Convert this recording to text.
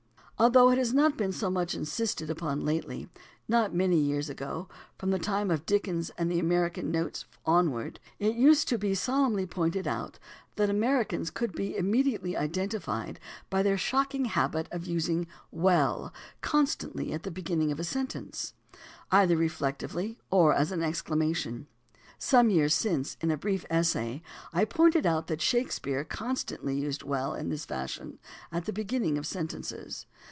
Although it has not been so much insisted upon lately, not many years ago — from the time of Dickens and THE ORIGIN OF CERTAIN AMERICANISMS 253 the American Notes onward — it used to be solemnly pointed out that Americans could be immediately identified by their shocking habit of using "well" constantly at the beginning of a sentence, either re flectively or as an exclamation. Some years since, in a brief essay, I pointed out that Shakespeare con stantly used "well" in this fashion at the beginning of sentences.